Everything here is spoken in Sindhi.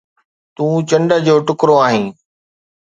تون چنڊ جو ٽڪرو آهين.